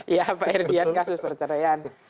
iya pak herdian kasus perceraian